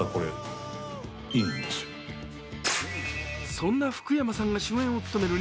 そんな福山さんが主演を務める。